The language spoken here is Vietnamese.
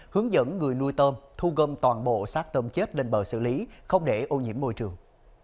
hướng dẫn người nuôi tôm thu gâm toàn bộ sát tôm chết lên bờ xử lý không để ô nhiễm môi trường